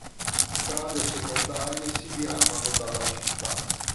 Strade secondarie si diramano dalla città.